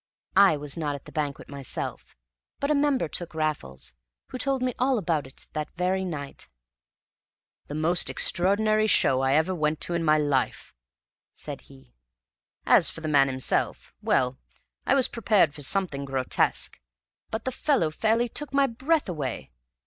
I was not at the banquet myself, but a member took Raffles, who told me all about it that very night. "Most extraordinary show I ever went to in my life," said he. "As for the man himself well, I was prepared for something grotesque, but the fellow fairly took my breath away.